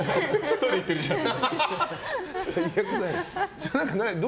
トイレ行ってるじゃんって。